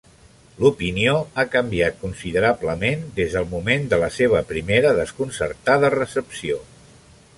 L'opinió ha canviat considerablement des del moment de la seva primera desconcertada recepció.